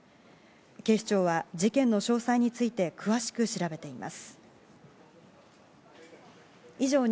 警視庁は事件の詳細について詳しく調べています。